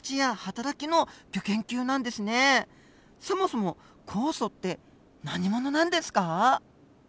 そもそも酵素って何者なんですか？